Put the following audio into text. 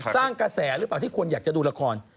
สร้างกระแสหรือเปล่าที่คนอยากจะดูละคร